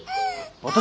私？